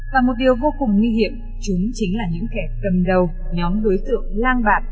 và một điều vô cùng nguy hiểm chúng chính là những kẻ cầm đầu nhóm đối tượng lang bạc